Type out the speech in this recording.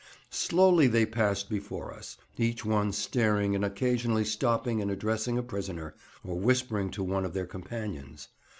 Slowly they passed before us, each one staring and occasionally stopping and addressing a prisoner, or whispering to one of their companions.